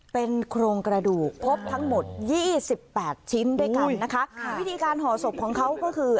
เป็นโครงกระดูกพบทั้งหมดยี่สิบแปดชิ้นด้วยกันนะคะค่ะวิธีการห่อศพของเขาก็คือ